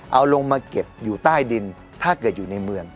เอาลงมาเก็บอยู่ใต้ดินถ้าเกิดอยู่ในเมือง